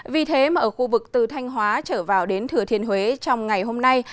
vì thế mà ở khu vực từ thanh hóa trở vào đến thừa thiên huế trong ngày hôm nay